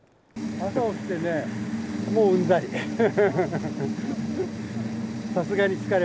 朝起きてね、もううんざり。